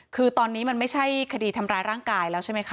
คือตอนนี้มันไม่ใช่คดีทำร้ายร่างกายแล้วใช่ไหมคะ